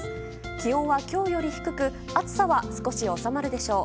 気温は今日より低く暑さは少し収まるでしょう。